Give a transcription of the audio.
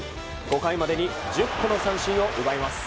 ５回までに１０個の三振を奪います。